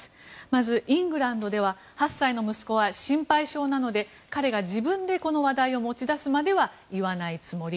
まずイングランドでは８歳の息子は心配性なので彼が自分で、この話題を持ち出すまでは言わないつもり。